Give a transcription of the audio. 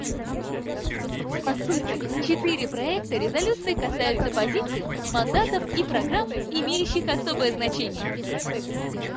По сути, четыре проекта резолюций касаются позиций, мандатов и программ, имеющих особое значение.